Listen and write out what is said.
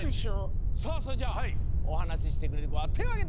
さあそれじゃあおはなししてくれるこはてをあげて！